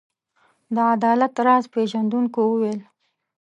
د عدالت راز پيژندونکو وویل.